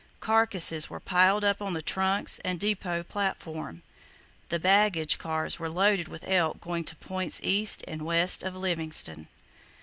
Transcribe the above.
Carcasses were piled up on the trucks and depot platform. The baggage cars were loaded with elk going to points east and west of Livingston.